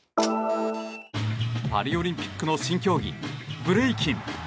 パリオリンピックの新競技ブレイキン。